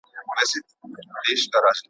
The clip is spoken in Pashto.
که څوک ملامت نسي خفګان کمیږي.